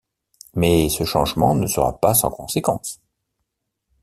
Mais ce changement ne sera pas sans conséquence.